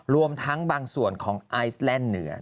รวมทั้งบางส่วนของไอซ์แลนด์เหนือ